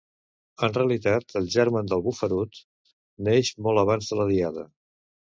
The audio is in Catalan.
En realitat el germen del bufarut neix molt abans de la Diada